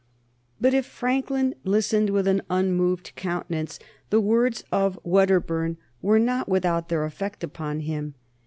But if Franklin listened with an unmoved countenance, the words of Wedderburn were not without their effect upon him.